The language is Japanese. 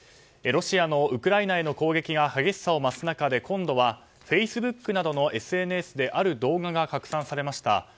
ロシアのウクライナへの攻撃が激しさを増す中で今度は、フェイスブックなどのＳＮＳである動画が拡散されました。